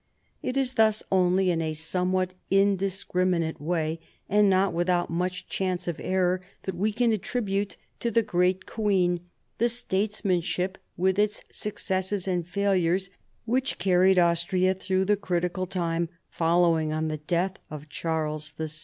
It is thus only in a somewhat indiscriminate way, and not without much chance of error, that we can attribute to the great queen the statesmanship, with its successes and its failures, which carried Austria through the critical time following on the death of Charles VI.